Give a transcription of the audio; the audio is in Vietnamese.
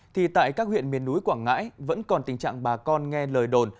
thì tại các huyện miền núi quảng ngãi vẫn còn tình trạng bà con nghe lời đồn